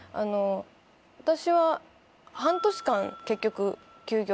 私は半年間結局休業。